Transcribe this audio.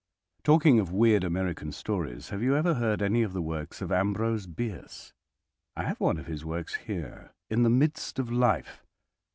Talking of weird American stories, have you ever read any of the works of Ambrose Bierce? I have one of his works there, "In the Midst of Life."